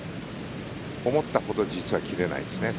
思ったほど実は切れないですね。